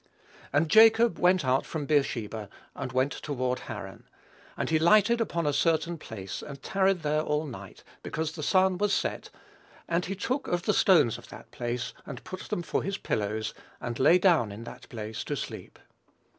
"And Jacob went out from Beersheba, and went toward Haran. And he lighted upon a certain place, and tarried there all night, because the sun was set; and he took of the stones of that place and put them for his pillows, and lay down in that place to sleep."